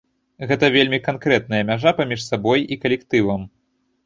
Гэта вельмі канкрэтная мяжа паміж сабой і калектывам.